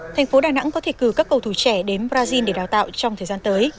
thành phố đà nẵng có thể cử các cầu thủ trẻ đến brazil để đào tạo trong thời gian tới